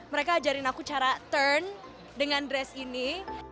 mereka ajarin aku cara turn dengan dress ini